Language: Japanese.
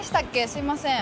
すいません。